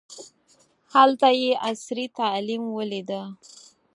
هلته یې عصري تعلیم ولیده.